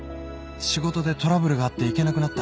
「仕事でトラブルがあって行けなくなった」